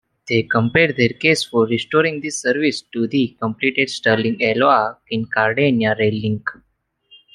They compare their case for restoring the service to the completed Stirling-Alloa-Kincardine rail link.